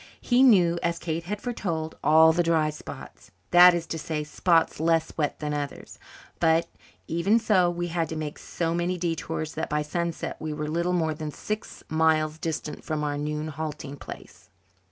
He knew, as Kate had foretold, "all the dry spots" that is to say, spots less wet than others. But, even so, we had to make so many detours that by sunset we were little more than six miles distant from our noon halting place.